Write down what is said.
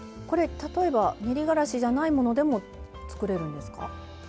これ例えば練りがらしじゃないものでも作れるんですか？